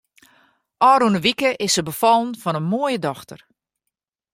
Ofrûne wike is se befallen fan in moaie dochter.